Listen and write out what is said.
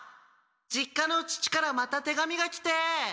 実家の父からまた手紙が来て。